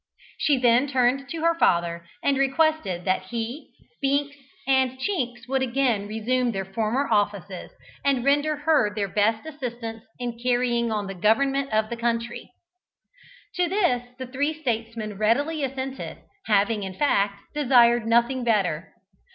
She then turned to her father and requested that he, Binks, and Chinks would again resume their former offices, and render her their best assistance in carrying on the government of the country. To this the three statesmen readily assented, having, in fact, desired nothing better.